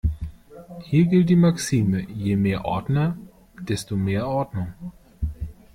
Hier gilt die Maxime: Je mehr Ordner, desto mehr Ordnung.